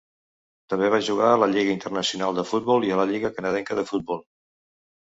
També va jugar a la Lliga Internacional de Futbol i a la Lliga Canadenca de Futbol.